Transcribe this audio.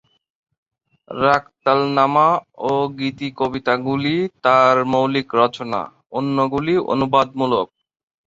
রাগতালনামা ও গীতিকবিতাগুলি তাঁর মৌলিক রচনা, অন্যগুলি অনুবাদমূলক।